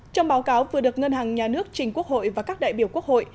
trong báo cáo vừa được ngân hàng nhà nước trình quốc hội và các đại biểu quốc hội